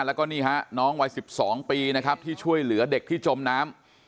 แล้วก็นี่ฮะน้องวัย๑๒ปีนะครับที่ช่วยเหลือเด็กที่จมน้ำ